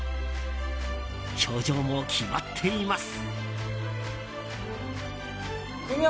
表情も決まっています！